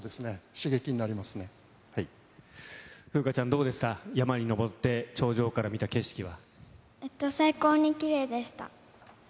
刺激になります風花ちゃん、どうでした、山に登って、最高にきれいでした。